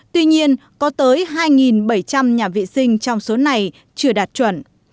tuy nhiên có tới hai bảy trăm linh nhà vệ sinh trong số này chưa đạt chuẩn